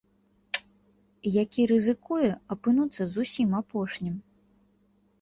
Які рызыкуе апынуцца зусім апошнім.